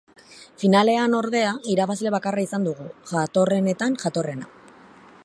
Finalean, ordea, irabazle bakarra izan dugu, jatorrenetan jatorrena.